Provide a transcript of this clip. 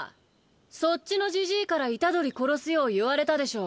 そっちのじじいから虎杖殺すよう言われたでしょ？